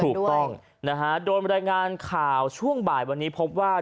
ถูกต้องนะฮะโดยรายงานข่าวช่วงบ่ายวันนี้พบว่า